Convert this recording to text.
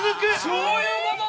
そういうことだ！